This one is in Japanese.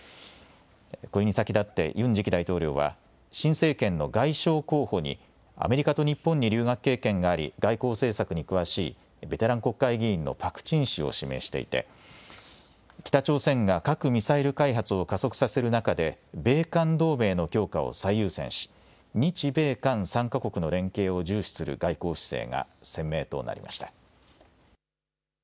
これに先立ってユン次期大統領は新政権の外相候補にアメリカと日本に留学経験があり外交政策に詳しいベテラン国会議員のパク・チン氏を指名していて北朝鮮が核・ミサイル開発を加速させる中で米韓同盟の強化を最優先し日米韓３か国の連携を重視する外交姿勢が鮮明となりました。